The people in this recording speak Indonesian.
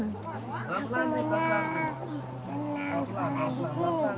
aku senang senang sekolah di sini